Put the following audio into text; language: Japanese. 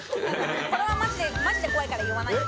「これはマジでマジで怖いから言わないで」